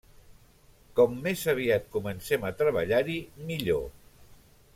Com més aviat comencem a treballar-hi millor.